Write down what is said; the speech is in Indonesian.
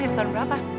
feltu boleh gak